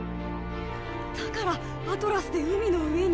だからアトラスで海の上に。